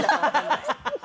ハハハハ。